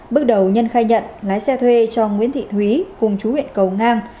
bước đầu nhân khai nhận lái xe thuê cho nguyễn thị thúy cùng chú huyện cầu ngang